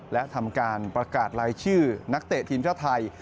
และทำการประกาศรายชื่อนักเตะทีมชาติไทย